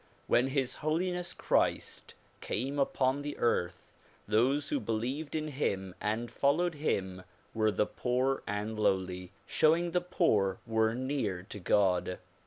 When His Holiness Christ came upon the earth those who believed in him and followed him were the poor and lowly, showing the poor were near to God.